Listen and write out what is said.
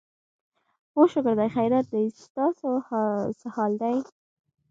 هو شکر دی، خیریت دی، ستاسو څه حال دی؟